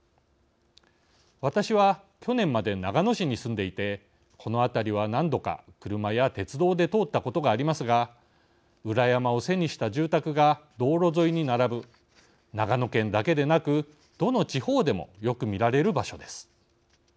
私は去年まで長野市に住んでいてこの辺りは何度か車や鉄道で通ったことがありますが裏山を背にした住宅が道路沿いに並ぶ長野県だけでなくどの地方でもよく見られる場所です。